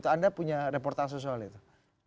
anda punya reportase soal itu